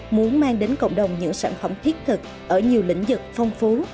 muốn mang đến cộng đồng những sản phẩm thiết thực ở nhiều lĩnh vực phong phú